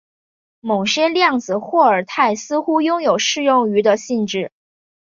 某些量子霍尔态似乎拥有适用于的性质。